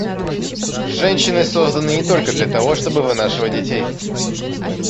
Женщины созданы не только для того, чтобы вынашивать детей.